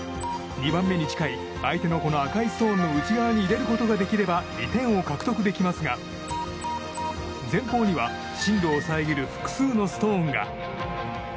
２番目に近い相手の赤色のストーンの内側に入れることができれば２点を獲得できますが前方には進路を遮る複数のストーンが。